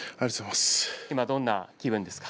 今どんな気分ですか？